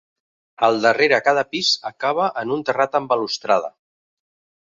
Al darrere cada pis acaba en un terrat amb balustrada.